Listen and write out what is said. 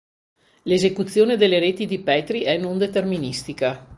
L'esecuzione delle reti di Petri è non deterministica.